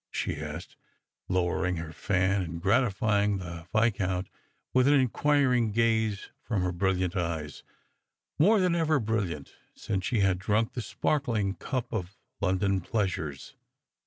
" she asked, lowering her fan and gratifying the Viscount with an inquiring gaze from her brilliant eyes, more than ever brilliant since she had drunk the sparkling cup of London pleasures.